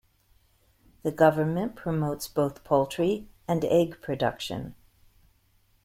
The government promotes both poultry and egg production.